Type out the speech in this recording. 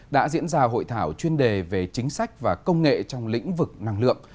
đã diễn ra hội thảo chuyên đề về chính sách và công nghệ trong lĩnh vực năng lượng